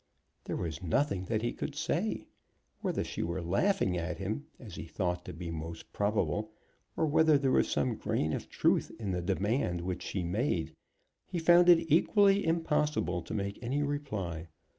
There was nothing that he could say. Whether she were laughing at him, as he thought to be most probable, or whether there was some grain of truth in the demand which she made, he found it equally impossible to make any reply.